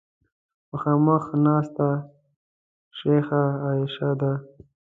مخامخ ناسته شیخه عایشه ده.